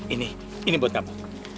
ini ini buat kamu